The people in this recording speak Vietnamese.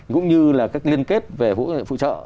cũng như là các liên kết về phụ trợ